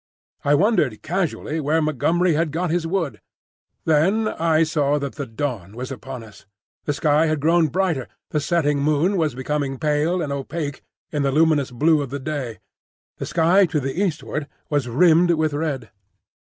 I wondered casually where Montgomery had got his wood. Then I saw that the dawn was upon us. The sky had grown brighter, the setting moon was becoming pale and opaque in the luminous blue of the day. The sky to the eastward was rimmed with red.